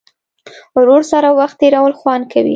ورور سره وخت تېرول خوند کوي.